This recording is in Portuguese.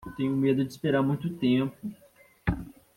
Tenho medo de esperar muito tempo.